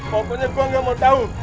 pokoknya gue gak mau tau